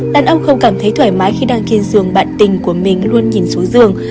đàn ông không cảm thấy thoải mái khi đang khiên giường bạn tình của mình luôn nhìn xuống giường